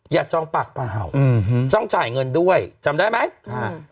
อย่าจองปากปลาเห่าอือฮือจองจ่ายเงินด้วยจำได้ไหมอ่า